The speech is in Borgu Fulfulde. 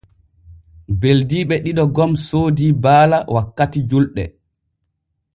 Beldiiɓe ɗiɗo gom soodii baala wakkati julɗe.